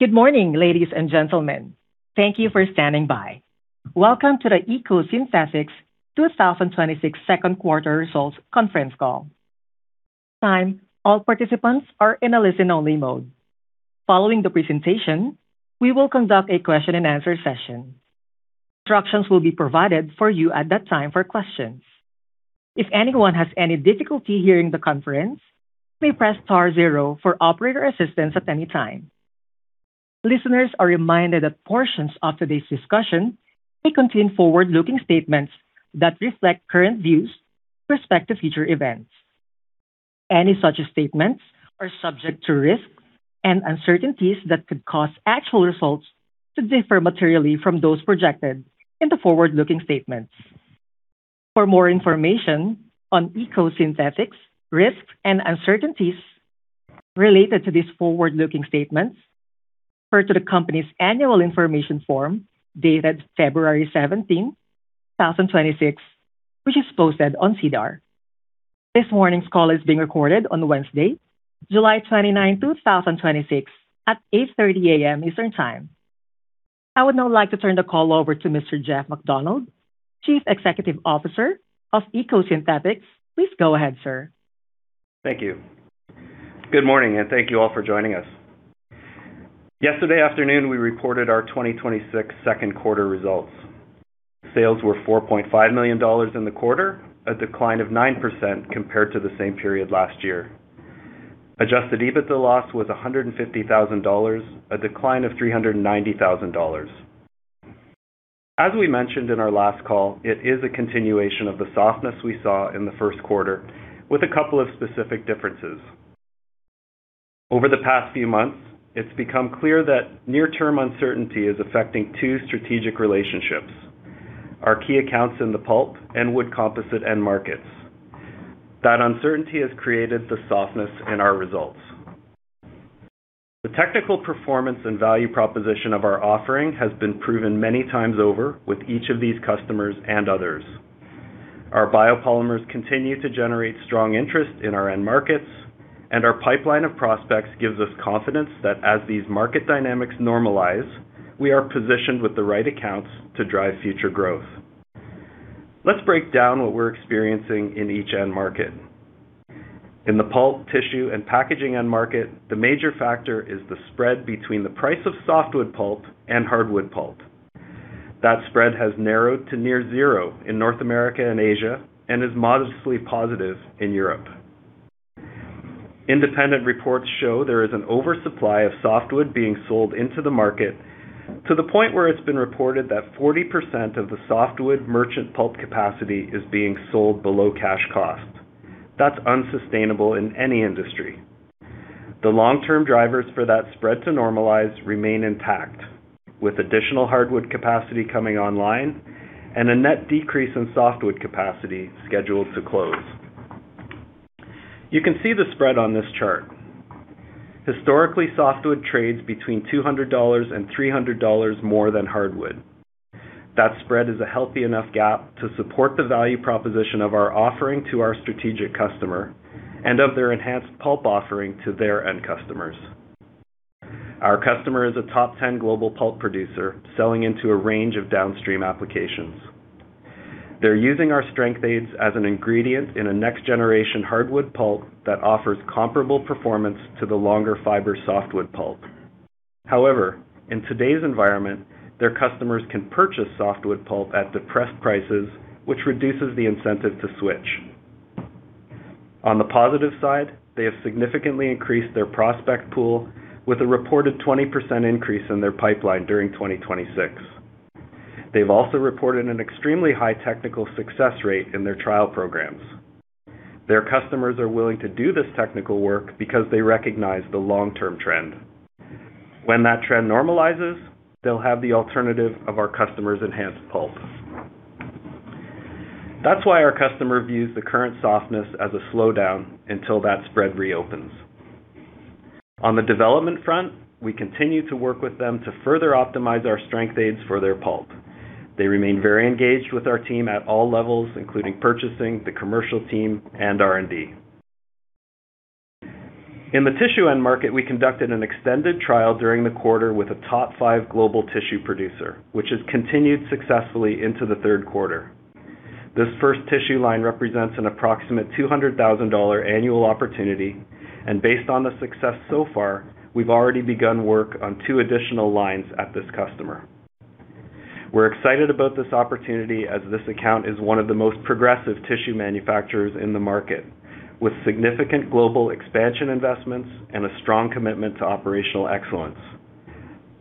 Good morning, ladies and gentlemen. Thank you for standing by. Welcome to the EcoSynthetix 2026 second quarter results conference call. At this time, all participants are in a listen-only mode. Following the presentation, we will conduct a question and answer session. Instructions will be provided for you at that time for questions. If anyone has any difficulty hearing the conference, you may press star zero for operator assistance at any time. Listeners are reminded that portions of today's discussion may contain forward-looking statements that reflect current views with respect to future events. Any such statements are subject to risks and uncertainties that could cause actual results to differ materially from those projected in the forward-looking statements. For more information on EcoSynthetix risks and uncertainties related to these forward-looking statements, refer to the company's annual information form dated February 17th, 2026, which is posted on SEDAR. This morning's call is being recorded on Wednesday, July 29th, 2026 at 8:30 A.M. Eastern Time. I would now like to turn the call over to Mr. Jeff MacDonald, Chief Executive Officer of EcoSynthetix. Please go ahead, sir. Thank you. Good morning, and thank you all for joining us. Yesterday afternoon, we reported our 2026 second quarter results. Sales were 4.5 million dollars in the quarter, a decline of 9% compared to the same period last year. Adjusted EBITDA loss was 150,000 dollars, a decline of 390,000 dollars. As we mentioned in our last call, it is a continuation of the softness we saw in the first quarter with a couple of specific differences. Over the past few months, it's become clear that near-term uncertainty is affecting two strategic relationships, our key accounts in the pulp and wood composite end markets. That uncertainty has created the softness in our results. The technical performance and value proposition of our offering has been proven many times over with each of these customers and others. Our biopolymers continue to generate strong interest in our end markets, and our pipeline of prospects gives us confidence that as these market dynamics normalize, we are positioned with the right accounts to drive future growth. Let's break down what we're experiencing in each end market. In the pulp, tissue, and packaging end market, the major factor is the spread between the price of softwood pulp and hardwood pulp. That spread has narrowed to near zero in North America and Asia and is modestly positive in Europe. Independent reports show there is an oversupply of softwood being sold into the market to the point where it's been reported that 40% of the softwood merchant pulp capacity is being sold below cash cost. That's unsustainable in any industry. The long-term drivers for that spread to normalize remain intact, with additional hardwood capacity coming online and a net decrease in softwood capacity scheduled to close. You can see the spread on this chart. Historically, softwood trades between 200 dollars and 300 dollars more than hardwood. That spread is a healthy enough gap to support the value proposition of our offering to our strategic customer and of their enhanced pulp offering to their end customers. Our customer is a top 10 global pulp producer selling into a range of downstream applications. They're using our strength aids as an ingredient in a next generation hardwood pulp that offers comparable performance to the longer fiber softwood pulp. However, in today's environment, their customers can purchase softwood pulp at depressed prices, which reduces the incentive to switch. On the positive side, they have significantly increased their prospect pool with a reported 20% increase in their pipeline during 2026. They've also reported an extremely high technical success rate in their trial programs. Their customers are willing to do this technical work because they recognize the long-term trend. When that trend normalizes, they'll have the alternative of our customer's enhanced pulp. That's why our customer views the current softness as a slowdown until that spread reopens. On the development front, we continue to work with them to further optimize our strength aids for their pulp. They remain very engaged with our team at all levels, including purchasing, the commercial team, and R&D. In the tissue end market, we conducted an extended trial during the quarter with a top five global tissue producer, which has continued successfully into the third quarter. This first tissue line represents an approximate 200,000 dollar annual opportunity, and based on the success so far, we've already begun work on two additional lines at this customer. We're excited about this opportunity as this account is one of the most progressive tissue manufacturers in the market, with significant global expansion investments and a strong commitment to operational excellence.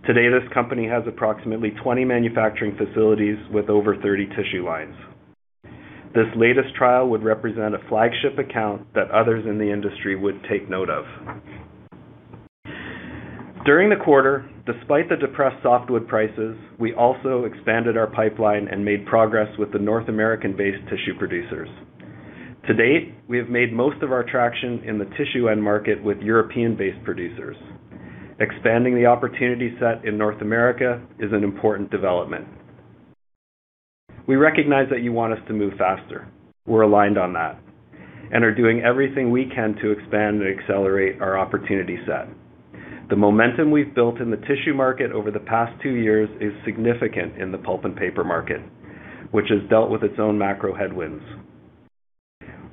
Today, this company has approximately 20 manufacturing facilities with over 30 tissue lines. This latest trial would represent a flagship account that others in the industry would take note of. During the quarter, despite the depressed softwood prices, we also expanded our pipeline and made progress with the North American-based tissue producers. To date, we have made most of our traction in the tissue end market with European-based producers. Expanding the opportunity set in North America is an important development. We recognize that you want us to move faster. We're aligned on that and are doing everything we can to expand and accelerate our opportunity set. The momentum we've built in the tissue market over the past two years is significant in the pulp and paper market, which has dealt with its own macro headwinds.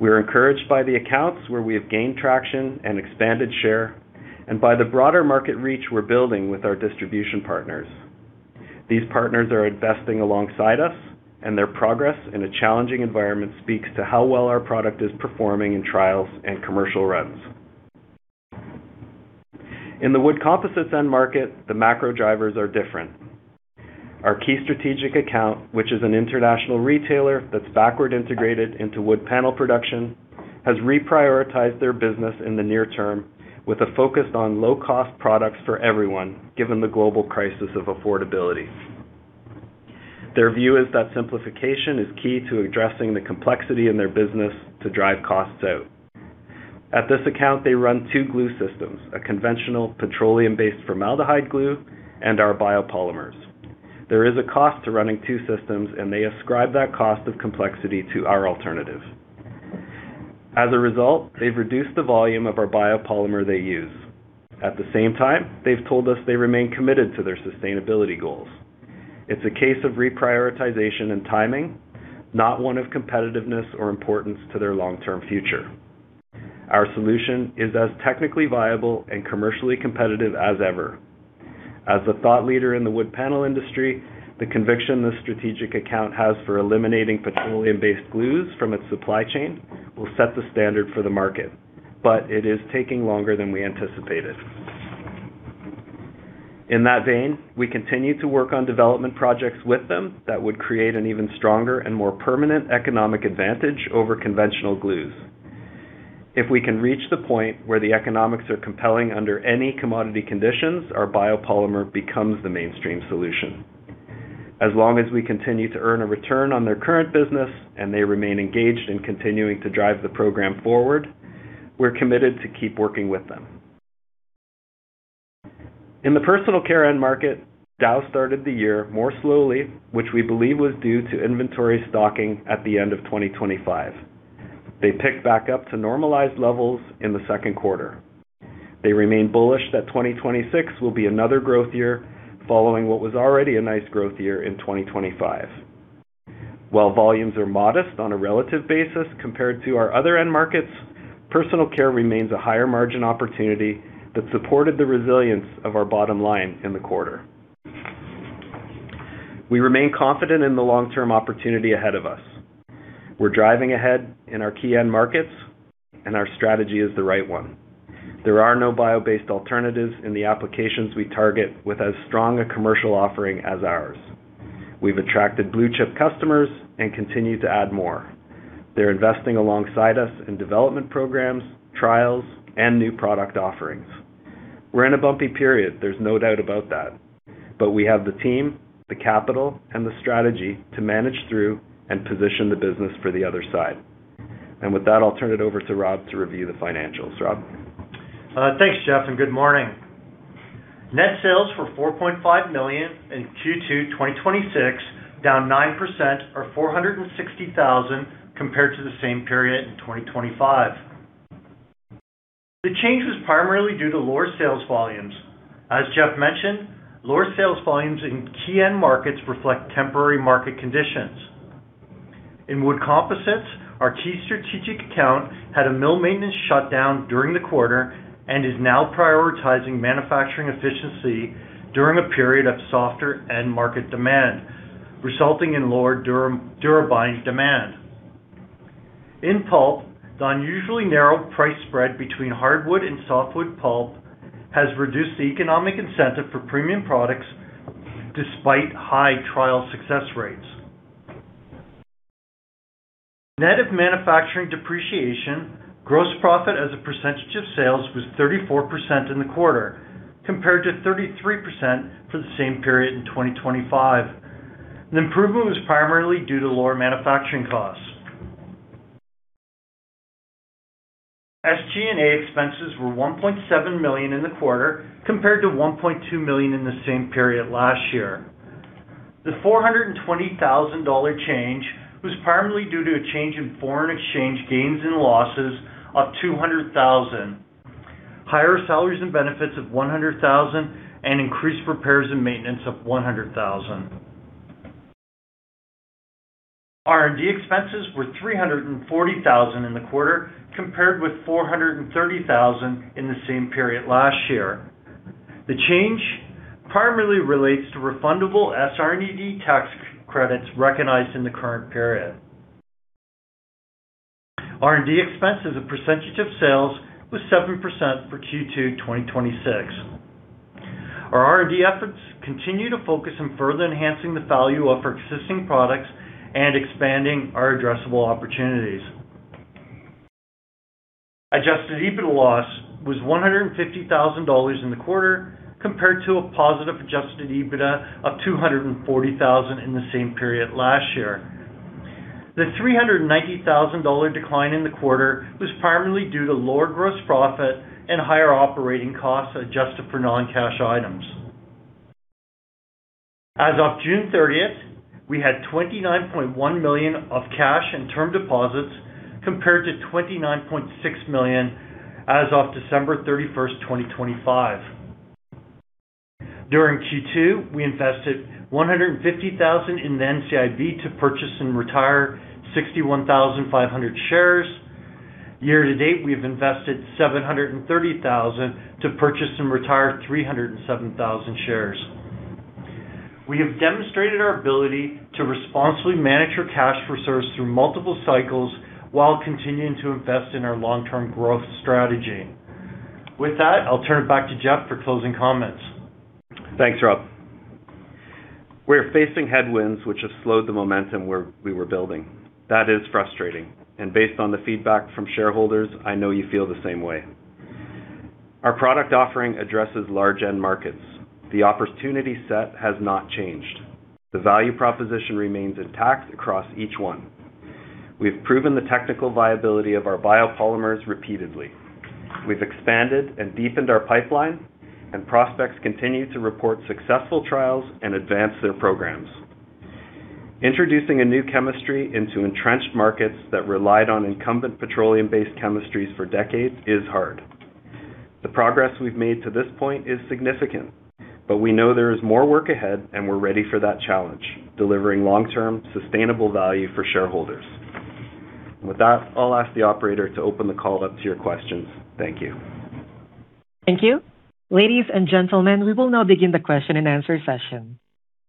We're encouraged by the accounts where we have gained traction and expanded share, and by the broader market reach we're building with our distribution partners. These partners are investing alongside us, and their progress in a challenging environment speaks to how well our product is performing in trials and commercial reps. In the wood composites end market, the macro drivers are different. Our key strategic account, which is an international retailer that's backward integrated into wood panel production, has reprioritized their business in the near term with a focus on low-cost products for everyone, given the global crisis of affordability. Their view is that simplification is key to addressing the complexity in their business to drive costs out. At this account, they run two glue systems, a conventional petroleum-based formaldehyde glue, and our biopolymers. There is a cost to running two systems, and they ascribe that cost of complexity to our alternative. As a result, they've reduced the volume of our biopolymer they use. At the same time, they've told us they remain committed to their sustainability goals. It's a case of reprioritization and timing, not one of competitiveness or importance to their long-term future. Our solution is as technically viable and commercially competitive as ever. As a thought leader in the wood panel industry, the conviction this strategic account has for eliminating petroleum-based glues from its supply chain will set the standard for the market, but it is taking longer than we anticipated. In that vein, we continue to work on development projects with them that would create an even stronger and more permanent economic advantage over conventional glues. If we can reach the point where the economics are compelling under any commodity conditions, our biopolymer becomes the mainstream solution. As long as we continue to earn a return on their current business and they remain engaged in continuing to drive the program forward, we're committed to keep working with them. In the personal care end market, Dow started the year more slowly, which we believe was due to inventory stocking at the end of 2025. They picked back up to normalized levels in the second quarter. They remain bullish that 2026 will be another growth year, following what was already a nice growth year in 2025. While volumes are modest on a relative basis compared to our other end markets, personal care remains a higher margin opportunity that supported the resilience of our bottom line in the quarter. We remain confident in the long-term opportunity ahead of us. We're driving ahead in our key end markets, and our strategy is the right one. There are no bio-based alternatives in the applications we target with as strong a commercial offering as ours. We've attracted blue-chip customers and continue to add more. They're investing alongside us in development programs, trials, and new product offerings. We're in a bumpy period, there's no doubt about that. We have the team, the capital, and the strategy to manage through and position the business for the other side. With that, I'll turn it over to Rob to review the financials. Rob? Thanks, Jeff, good morning. Net sales were 4.5 million in Q2 2026, down 9% or 460,000 compared to the same period in 2025. The change was primarily due to lower sales volumes. As Jeff mentioned, lower sales volumes in key end markets reflect temporary market conditions. In wood composites, our key strategic account had a mill maintenance shutdown during the quarter and is now prioritizing manufacturing efficiency during a period of softer end market demand, resulting in lower DuraBind demand. In pulp, the unusually narrow price spread between hardwood and softwood pulp has reduced the economic incentive for premium products despite high trial success rates. Net of manufacturing depreciation, gross profit as a percentage of sales was 34% in the quarter, compared to 33% for the same period in 2025. The improvement was primarily due to lower manufacturing costs. SG&A expenses were 1.7 million in the quarter, compared to 1.2 million in the same period last year. The 420,000 dollar change was primarily due to a change in foreign exchange gains and losses of 200,000, higher salaries and benefits of 100,000, and increased repairs and maintenance of 100,000. R&D expenses were 340,000 in the quarter, compared with 430,000 in the same period last year. The change primarily relates to refundable SR&ED tax credits recognized in the current period. R&D expense as a percentage of sales was 7% for Q2 2026. Our R&D efforts continue to focus on further enhancing the value of our existing products and expanding our addressable opportunities. Adjusted EBITDA loss was 150,000 dollars in the quarter, compared to a positive adjusted EBITDA of 240,000 in the same period last year. The 390,000 dollar decline in the quarter was primarily due to lower gross profit and higher operating costs adjusted for non-cash items. As of June 30th, we had 29.1 million of cash and term deposits compared to 29.6 million as of December 31st, 2025. During Q2, we invested 150,000 in the NCIB to purchase and retire 61,500 shares. Year to date, we have invested 730,000 to purchase and retire 307,000 shares. We have demonstrated our ability to responsibly manage your cash reserves through multiple cycles while continuing to invest in our long-term growth strategy. I'll turn it back to Jeff for closing comments. Thanks, Rob. We're facing headwinds which have slowed the momentum we were building. That is frustrating, and based on the feedback from shareholders, I know you feel the same way. Our product offering addresses large end markets. The opportunity set has not changed. The value proposition remains intact across each one. We've proven the technical viability of our biopolymers repeatedly. We've expanded and deepened our pipeline, prospects continue to report successful trials and advance their programs. Introducing a new chemistry into entrenched markets that relied on incumbent petroleum-based chemistries for decades is hard. The progress we've made to this point is significant, we know there is more work ahead, and we're ready for that challenge, delivering long-term sustainable value for shareholders. With that, I'll ask the operator to open the call up to your questions. Thank you. Thank you. Ladies and gentlemen, we will now begin the question and answer session.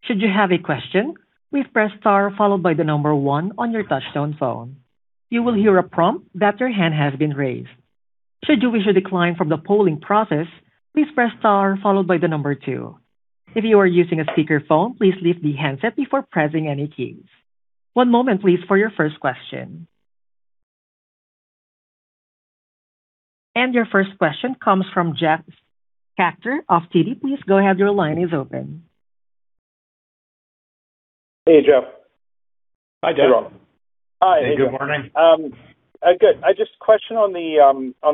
Should you have a question, please press star followed by the number one on your touch-tone phone. You will hear a prompt that your hand has been raised. Should you wish to decline from the polling process, please press star followed by the number two. If you are using a speakerphone, please leave the handset before pressing any keys. One moment, please, for your first question. Your first question comes from Jeff Chacter of TD. Please go ahead. Your line is open. Hey, Jeff. Hi, Jeff. Hey, Rob. Hi. Good morning. Good. Just a question on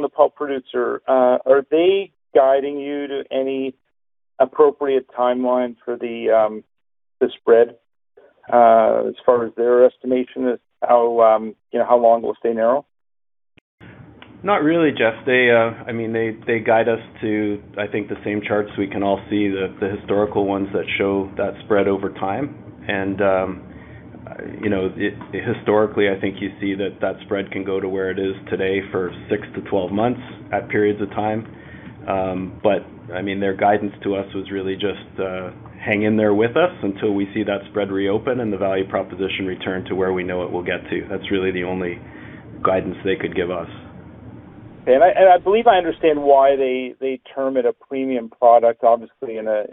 the pulp producer. Are they guiding you to any appropriate timeline for the spread as far as their estimation is how long it will stay narrow? Not really, Jeff. They guide us to, I think, the same charts we can all see, the historical ones that show that spread over time. Historically, I think you see that that spread can go to where it is today for six to 12 months at periods of time. Their guidance to us was really just hang in there with us until we see that spread reopen and the value proposition return to where we know it will get to. That's really the only guidance they could give us. I believe I understand why they term it a premium product. Obviously, in a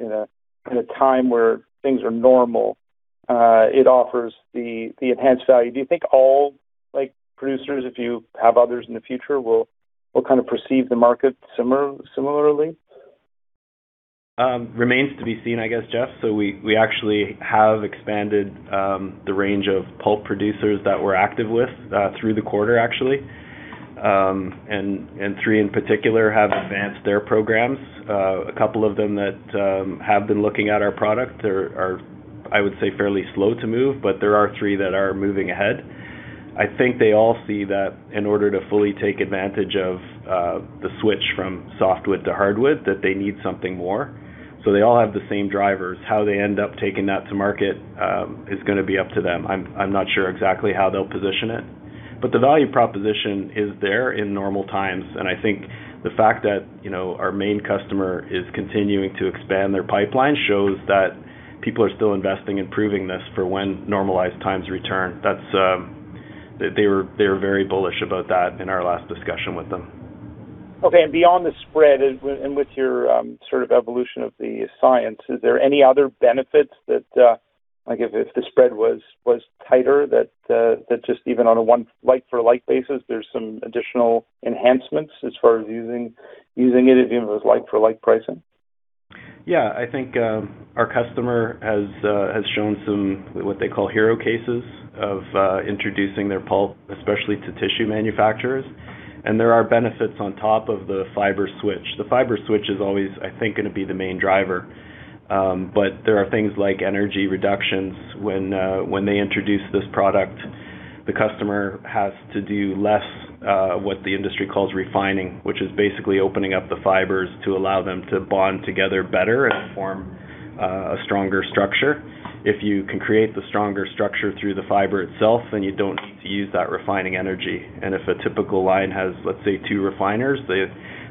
time where things are normal, it offers the enhanced value. Do you think all producers, if you have others in the future, will perceive the market similarly? Remains to be seen, I guess, Jeff. We actually have expanded the range of pulp producers that we're active with through the quarter, actually. Three in particular have advanced their programs. A couple of them that have been looking at our product are, I would say, fairly slow to move, but there are three that are moving ahead. I think they all see that in order to fully take advantage of the switch from softwood to hardwood, that they need something more. They all have the same drivers. How they end up taking that to market is going to be up to them. I'm not sure exactly how they'll position it, but the value proposition is there in normal times, and I think the fact that our main customer is continuing to expand their pipeline shows that people are still investing in proving this for when normalized times return. They were very bullish about that in our last discussion with them. Okay. Beyond the spread and with your sort of evolution of the science, is there any other benefits that, like if the spread was tighter, that just even on a like for like basis, there's some additional enhancements as far as using it even with like for like pricing? Yeah. I think our customer has shown some what they call hero cases of introducing their pulp, especially to tissue manufacturers, and there are benefits on top of the fiber switch. The fiber switch is always, I think, going to be the main driver, but there are things like energy reductions. When they introduce this product, the customer has to do less what the industry calls refining, which is basically opening up the fibers to allow them to bond together better and form a stronger structure. If you can create the stronger structure through the fiber itself, then you don't need to use that refining energy. If a typical line has, let's say, two refiners,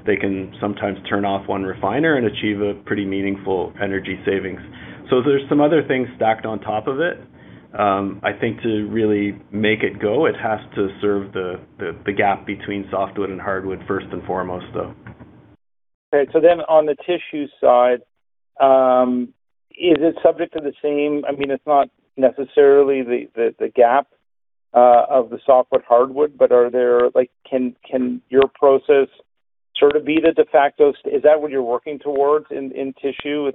they can sometimes turn off one refiner and achieve a pretty meaningful energy savings. There's some other things stacked on top of it. I think to really make it go, it has to serve the gap between softwood and hardwood first and foremost, though. Okay. On the tissue side, is it subject to the same? I mean, it's not necessarily the gap of the softwood/hardwood, but can your process sort of be the de facto? Is that what you're working towards in tissue?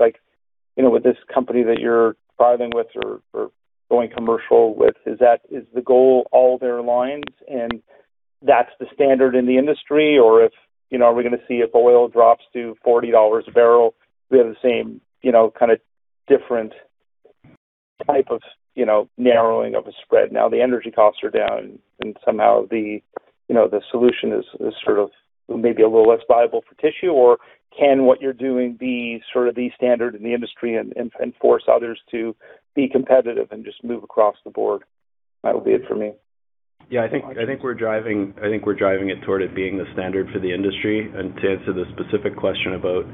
With this company that you're driving with or going commercial with, is the goal all their lines and that's the standard in the industry, or are we going to see if oil drops to $40 a barrel, we have the same kind of different type of narrowing of a spread. The energy costs are down and somehow the solution is sort of maybe a little less viable for tissue or can what you're doing be sort of the standard in the industry and force others to be competitive and just move across the board? That'll be it for me. Yeah, I think we're driving it toward it being the standard for the industry. To answer the specific question about,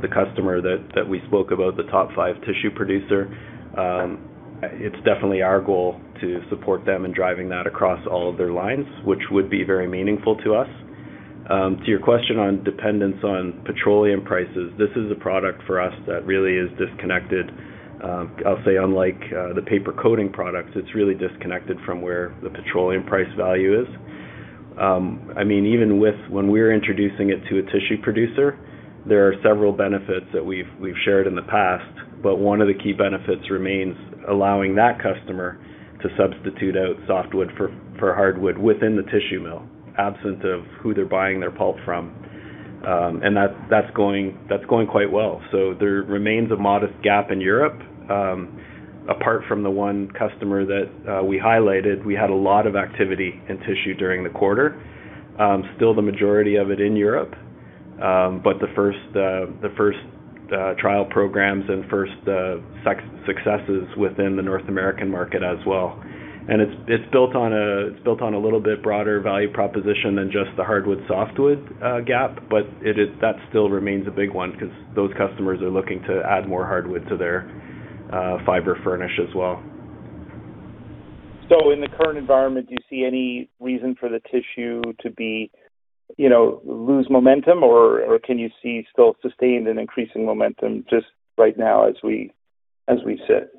the customer that we spoke about, the top five tissue producer, it's definitely our goal to support them in driving that across all of their lines, which would be very meaningful to us. To your question on dependence on petroleum prices, this is a product for us that really is disconnected. I'll say unlike the paper coating products, it's really disconnected from where the petroleum price value is. Even with when we are introducing it to a tissue producer, there are several benefits that we've shared in the past, but one of the key benefits remains allowing that customer to substitute out softwood for hardwood within the tissue mill, absent of who they're buying their pulp from. That's going quite well. There remains a modest gap in Europe. Apart from the one customer that we highlighted, we had a lot of activity in tissue during the quarter. Still the majority of it in Europe. The first trial programs and first successes within the North American market as well. It's built on a little bit broader value proposition than just the hardwood, softwood gap. That still remains a big one because those customers are looking to add more hardwood to their fiber furnish as well. In the current environment, do you see any reason for the tissue to lose momentum, or can you see still sustained and increasing momentum just right now as we sit?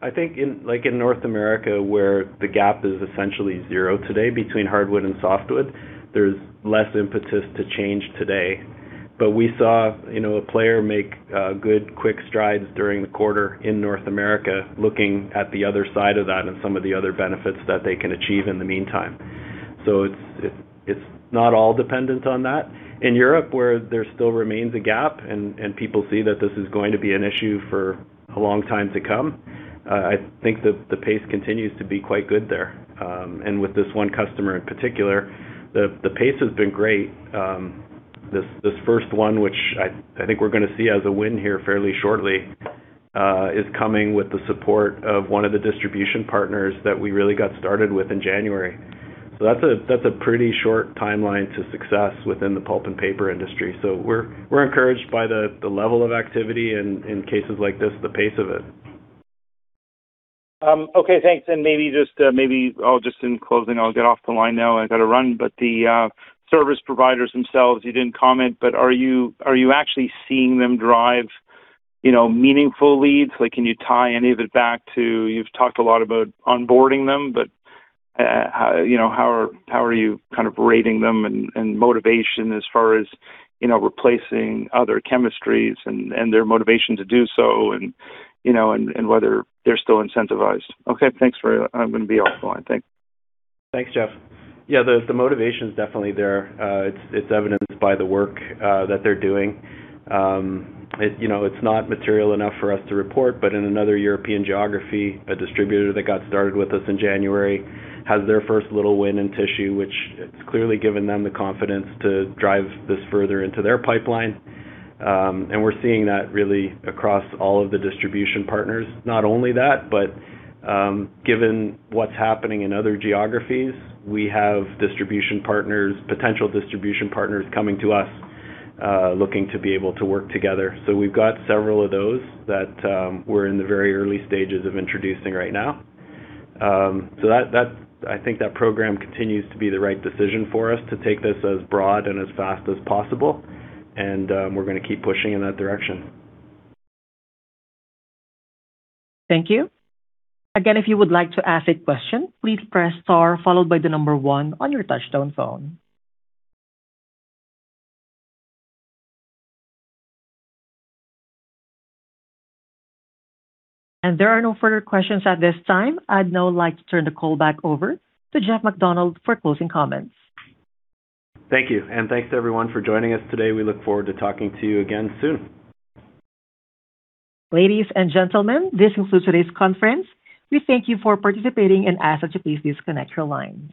I think in North America, where the gap is essentially zero today between hardwood and softwood, there's less impetus to change today. We saw a player make good, quick strides during the quarter in North America, looking at the other side of that and some of the other benefits that they can achieve in the meantime. It's not all dependent on that. In Europe, where there still remains a gap and people see that this is going to be an issue for a long time to come, I think that the pace continues to be quite good there. With this one customer in particular, the pace has been great. This first one, which I think we're going to see as a win here fairly shortly, is coming with the support of one of the distribution partners that we really got started with in January. That's a pretty short timeline to success within the pulp and paper industry. We're encouraged by the level of activity and in cases like this, the pace of it. Okay. Thanks. Maybe just in closing, I'll get off the line now. I've got to run. The service providers themselves, you didn't comment, but are you actually seeing them drive meaningful leads? Can you tie any of it back to You've talked a lot about onboarding them, how are you kind of rating them and motivation as far as replacing other chemistries and their motivation to do so and whether they're still incentivized? Okay. Thanks. I'm going to be off the line. Thanks. Thanks, Jeff. The motivation's definitely there. It's evidenced by the work that they're doing. It's not material enough for us to report, but in another European geography, a distributor that got started with us in January has their first little win in tissue, which it's clearly given them the confidence to drive this further into their pipeline. We're seeing that really across all of the distribution partners. Not only that, given what's happening in other geographies, we have potential distribution partners coming to us, looking to be able to work together. We've got several of those that we're in the very early stages of introducing right now. I think that program continues to be the right decision for us to take this as broad and as fast as possible. We're going to keep pushing in that direction. Thank you. Again, if you would like to ask a question, please press star followed by the number one on your touchtone phone. There are no further questions at this time. I'd now like to turn the call back over to Jeff MacDonald for closing comments. Thank you, thanks everyone for joining us today. We look forward to talking to you again soon. Ladies and gentlemen, this concludes today's conference. We thank you for participating and ask that you please disconnect your line.